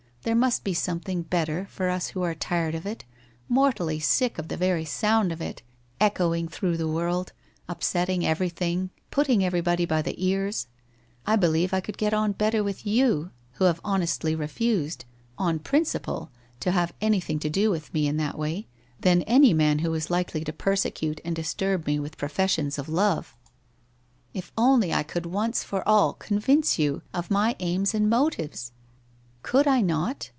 There must be something better, for us who are tired of it — mortally sick of the very sound of it, echoing through the world, upsetting everything, putting everybody by the cars! I believe I could get on better with you, who have honestly refused, on principle, to have anything to do with me in that way, than any man who was likely to persecute and disturb me with professions of love. If 118 WHITE ROSE OF WEARY LEAF only I could once for all convince you of my aims and mo tives! Could I not?